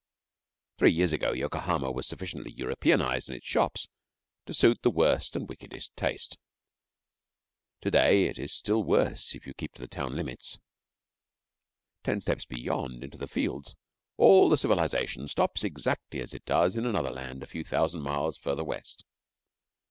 Three years ago Yokohama was sufficiently Europeanised in its shops to suit the worst and wickedest taste. To day it is still worse if you keep to the town limits. Ten steps beyond into the fields all the civilisation stops exactly as it does in another land a few thousand miles further West.